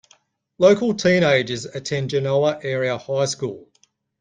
Local teenagers attend Genoa Area High School.